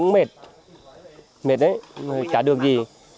mệt đấy chả được gì